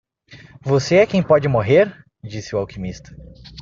"Você é quem pode morrer?", disse o alquimista.